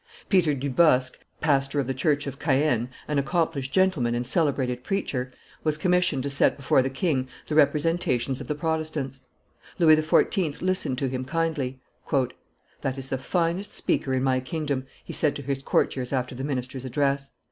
Peter du Bosq, pastor of the church of Caen, an accomplished gentleman and celebrated preacher, was commissioned to set before the king the representations of the Protestants. Louis XIV. listened to him kindly. "That is the finest speaker in my kingdom," he said to his courtiers after the minister's address.